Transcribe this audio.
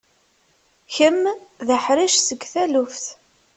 Kemm d aḥric seg taluft.